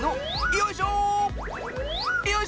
よいしょ！